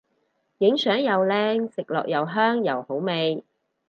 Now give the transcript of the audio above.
影相又靚食落又香又好味